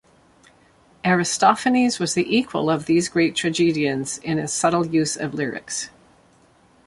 Aristophanes was the equal of these great tragedians in his subtle use of lyrics.